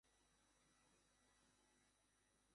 আমকে অদ্ভুত দেখাচ্ছে নাকি?